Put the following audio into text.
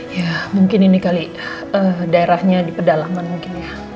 ya mungkin ini kali daerahnya di pedalaman mungkin ya